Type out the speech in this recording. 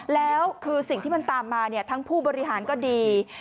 แล้วคือสิ่งที่มันตามมาทั้งผู้บริหารก็ดี